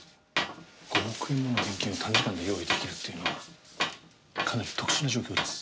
５億円もの現金を短時間で用意出来るっていうのはかなり特殊な状況です。